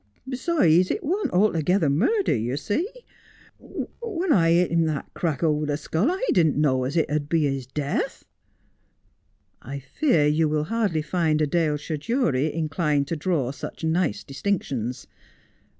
' Besides, it warn't altogether murder, yer see. When I hit him that crack over the skull I didn't know as it 'ud be his death.' ' I fear you will hardly find a Daleshire jury inclined to draw such nice distinctions.